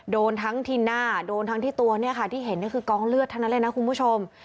โดนทั้งที่หน้าโดนทั้งที่ตัวเนี่ยค่ะที่เห็นนี่คือกองเลือดทั้งนั้นเลยนะคุณผู้ชม